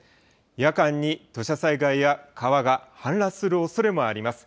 夜間に土砂災害や川が氾濫するおそれもあります。